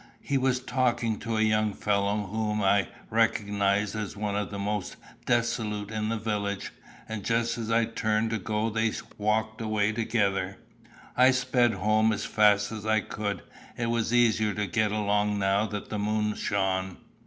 He was talking to a young fellow whom I recognised as one of the most dissolute in the village; and just as I turned to go they walked away together. I sped home as fast as I could. It was easier to get along now that the moon shone.